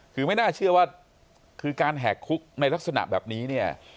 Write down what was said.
คือไม่น่าเชื่อว่าคือการแหกคุกในลักษณะแบบนี้เนี่ย